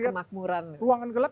iya kalau kita lihat ruangan gelap